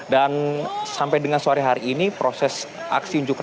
dan sampai dengan sore hari ini proses aksi unjuk rakyat